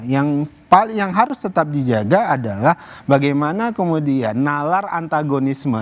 yang harus tetap dijaga adalah bagaimana kemudian nalar antagonisme